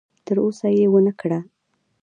تر اوسه یې ونه کړه.